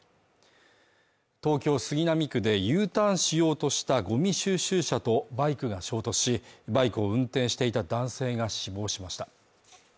東京杉並区でＵターンしようとしたごみ収集車とバイクが衝突しバイクを運転していた男性が死亡しました